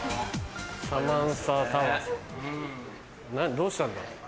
どうしたんだ？